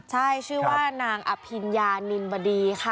ใช่ชื่อว่านางอภิญญานินบดีค่ะ